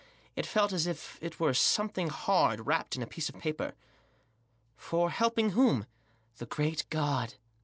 It felt as if it were something hard, wrapped in a piece of paper. " For helping whom ?"" The Great God."